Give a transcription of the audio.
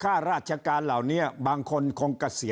คราวนี้เจ้าหน้าที่ป่าไม้รับรองแนวเนี่ยจะต้องเป็นหนังสือจากอธิบดี